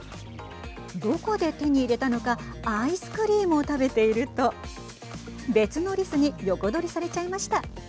どこで手に入れたのかアイスクリームを食べていると別のリスに横取りされちゃいました。